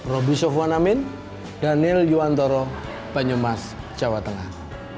roby sofwan amin daniel yuwantoro banyumas jawa tengah